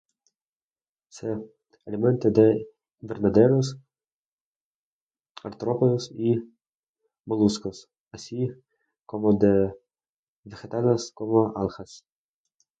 Se alimenta de invertebrados, artrópodos y moluscos, así como de vegetales, como algas.